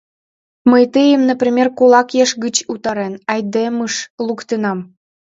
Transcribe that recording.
Мый тыйым, например, кулак еш гыч утарен, айдемыш луктынам...